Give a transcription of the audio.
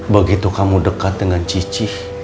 begitu kamu deket dengan cicih